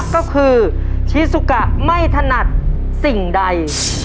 ก็คือชีซูกะไม่ถนัดสิ่งใด